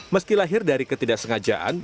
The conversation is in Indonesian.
meski lahir dari ketidaksengajaan